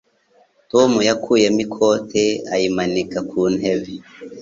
Tom yakuyemo ikote ayimanika ku ntebe.